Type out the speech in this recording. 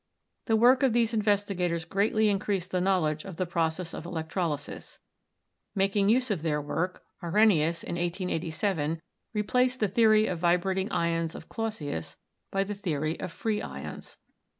The work of these investigators greatly increased the knowledge of the process of electrolysis. Making use of their work, Arrhenius, in 1887, replaced the theory of vibrating ions of Clausius by the theory of free ions.